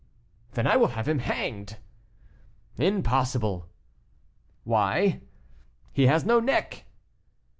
"Then I will have him hanged!" "Impossible!" "Why?" "He has no neck."